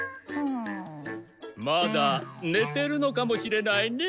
まだねてるのかもしれないね。